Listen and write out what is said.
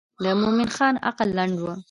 د مومن خان عقل لنډ و.